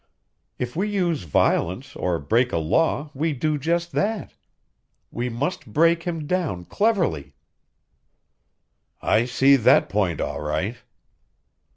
If we use violence or break a law, we do just that. We must break him down cleverly." "I see that point, all right."